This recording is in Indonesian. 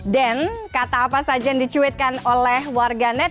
dan kata apa saja yang dicuitkan oleh warganet